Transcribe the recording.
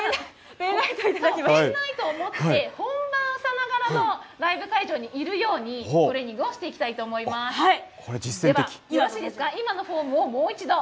ペンライトを持って、本番さながらのライブ会場にいるように、トレーニングをしていきたいと思はい。